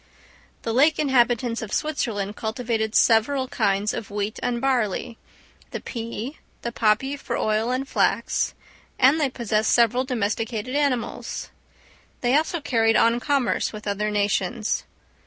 The lake inhabitants of Switzerland cultivated several kinds of wheat and barley, the pea, the poppy for oil and flax; and they possessed several domesticated animals. They also carried on commerce with other nations.